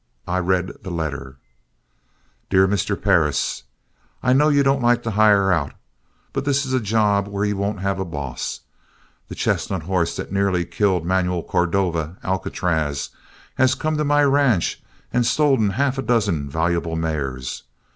I read the letter: "'Dear Mr. Perris, "'I know you don't like to hire out. But this is a job where you won't have a boss. The chestnut horse that nearly killed Manuel Cordova Alcatraz has come to my ranch and stolen half a dozen valuable mares.